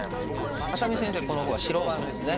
愛咲美先生この碁は白番ですね。